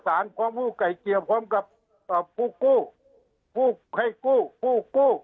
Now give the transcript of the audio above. พร้อมผู้ไก่เกียร์พร้อมกับผู้กู้ผู้ให้กู้ผู้กู้